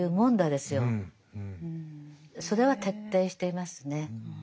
それは徹底していますね。